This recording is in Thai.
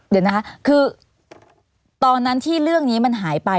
เดี๋ยวนะคะคือตอนนั้นที่เรื่องนี้มันหายไป